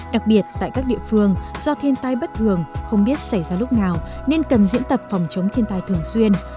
đặc biệt tại các địa phương do thiên tai bất thường không biết xảy ra lúc nào nên cần diễn tập phòng chống thiên tai thường xuyên